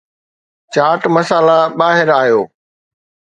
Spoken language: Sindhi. چاٽ مسالا ٻاهر آيو